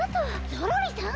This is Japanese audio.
ゾロリさん！？